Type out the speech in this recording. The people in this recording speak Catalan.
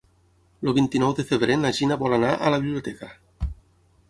El vint-i-nou de febrer na Gina vol anar a la biblioteca.